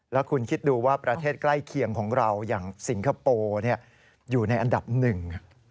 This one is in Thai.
แล้วคุณคิดดูว่าประเทศใกล้เคียงของเราอย่างสิงคโปร์อยู่ในอันดับหนึ่ง